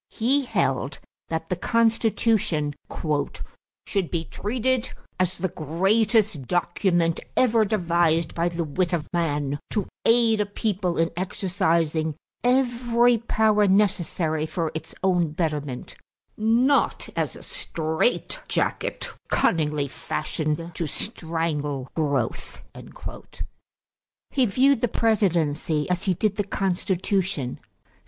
He held that the Constitution "should be treated as the greatest document ever devised by the wit of man to aid a people in exercising every power necessary for its own betterment, not as a strait jacket cunningly fashioned to strangle growth." He viewed the presidency as he did the Constitution.